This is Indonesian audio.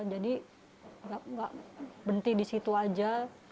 jadi nggak berhenti di situ aja